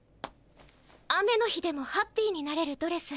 雨の日でもハッピーになれるドレス。